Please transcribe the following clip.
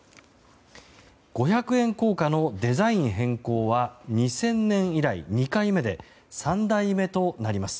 五百円硬貨のデザイン変更は２０００年以来２回目で３代目となります。